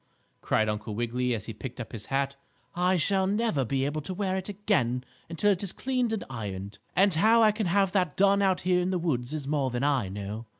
cried Uncle Wiggily, as he picked up his hat. "I shall never be able to wear it again until it is cleaned and ironed. And how I can have that done out here in the woods is more than I know."